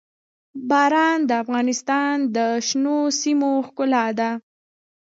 باران د افغانستان د شنو سیمو ښکلا ده.